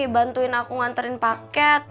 bantuin aku nganterin paket